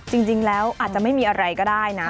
จริงแล้วอาจจะไม่มีอะไรก็ได้นะ